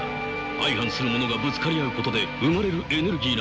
相反するものがぶつかり合うことで生まれるエネルギーなんだ。